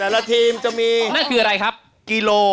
แนว